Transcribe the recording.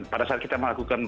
pada saat kita melakukan